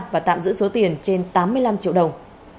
và tạm giữ số tiền trên tám mươi năm triệu đồng